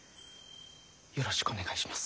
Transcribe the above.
よろしくお願いします。